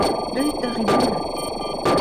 Deuit da riboulat !